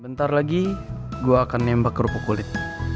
bentar lagi gue akan nembak kerupuk kulit